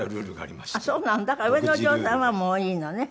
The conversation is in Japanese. だから上のお嬢さんはもういいのね。